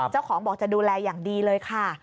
เจ้าของบอกจะดูแลอย่างดีเลยค่ะ